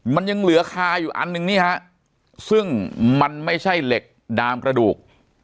มันยังเหลือคาอยู่อันหนึ่งนี่ฮะซึ่งมันไม่ใช่เหล็กดามกระดูก